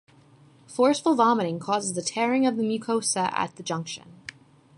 Forceful vomiting causes tearing of the mucosa at the junction.